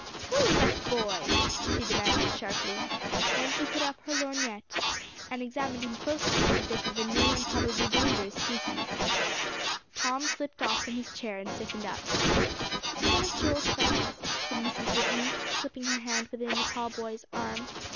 "Who is that boy?" she demanded sharply. Then she put up her lorgnette, and examined him closely as if of a new and probably dangerous species. Tom slipped off from his chair and stiffened up. "It's one of Joel's friends," said Mrs. Whitney, slipping her hand within the tall boy's arm.